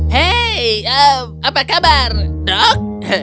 hei apa kabar dok